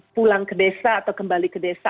pulang ke desa atau kembali ke desa